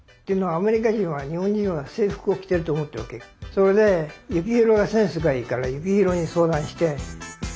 それで幸宏がセンスがいいから幸宏に相談して。